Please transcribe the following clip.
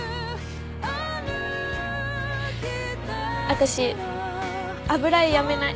私油絵やめない。